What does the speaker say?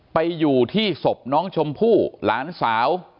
ไปอยู่ที่ศพน้องชมพู่หลานสาว